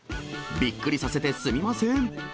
びっくりさせてすみません。